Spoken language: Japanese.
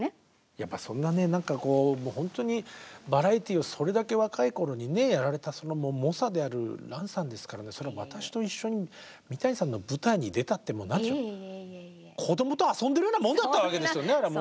やっぱりそんな何か本当にバラエティーをそれだけ若い頃にやられたその猛者である蘭さんですから私と一緒に三谷さんの舞台に出たってもう何ていうんでしょう子どもと遊んでるようなもんだったわけですよねあれはもう。